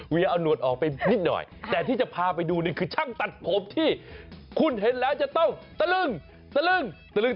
เอาหนวดออกไปนิดหน่อยแต่ที่จะพาไปดูนี่คือช่างตัดผมที่คุณเห็นแล้วจะต้องตะลึงตะลึงตะลึง